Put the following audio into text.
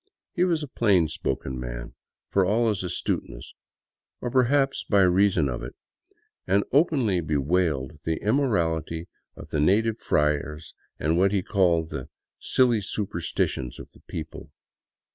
He was a plainspoken man, for all his astuteness — or perhaps by reason of it — and openly bewailed the immorality of the native friars and what he called the " silly superstitions '' of the people.